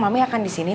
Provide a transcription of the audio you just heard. mami akan di sini